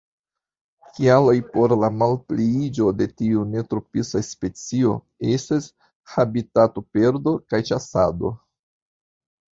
Kialoj por la malpliiĝo de tiu neotropisa specio estas habitatoperdo kaj ĉasado.